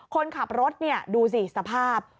คนขับรถเนี่ยดูสิสภาพ